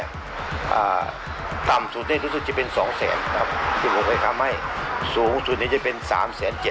ยาท่าน้ำขาวไทยนครเพราะทุกการเดินทางของคุณจะมีแต่รอยยิ้ม